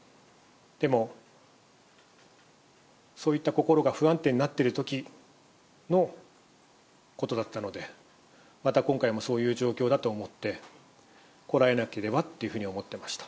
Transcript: でも、そういった心が不安定になってるときのことだったので、また今回もそういう状況だと思って、こらえなければっていうふうに思っていました。